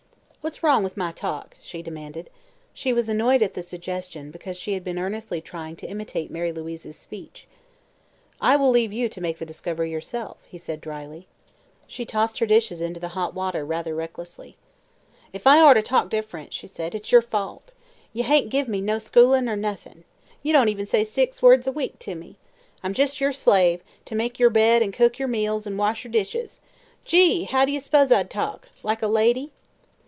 "What's wrong with my talk?" she demanded. She was annoyed at the suggestion, because she had been earnestly trying to imitate Mary Louise's speech. "I will leave you to make the discovery yourself," he said dryly. She tossed her dishes into the hot water rather recklessly. "If I orter talk diff'rent," said she, "it's your fault. Ye hain't give me no schooling ner noth'n'. Ye don't even say six words a week to me. I'm just your slave, to make yer bed an' cook yer meals an' wash yer dishes. Gee! how'd ye s'pose I'd talk? Like a lady?"